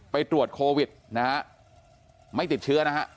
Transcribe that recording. ไปตรวจโควิดนะฮะไม่ติดเชื้อนะฮะ